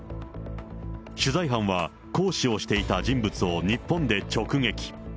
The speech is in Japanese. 取材班は、講師をしていた人物を日本で直撃。